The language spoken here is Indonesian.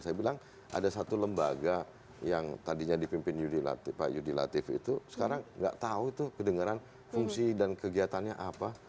saya bilang ada satu lembaga yang tadinya dipimpin pak yudi latif itu sekarang nggak tahu tuh kedengeran fungsi dan kegiatannya apa